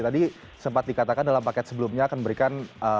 tadi sempat dikatakan dalam paket sebelumnya akan memberikan